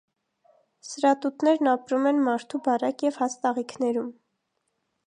Սրատուտներն ապրում են մարդու բարակ և հաստ աղիքներում։